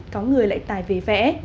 có người lại tài về vẽ